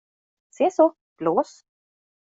Se så, blås.